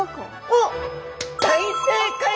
おっ大正解です！